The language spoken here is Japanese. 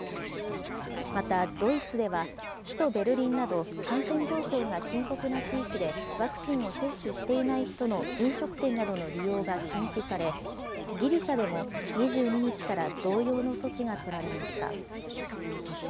またドイツでは、首都ベルリンなど感染状況が深刻な地域で、ワクチンを接種していない人の飲食店などの利用が禁止され、ギリシャでも２２日から同様の措置が取られました。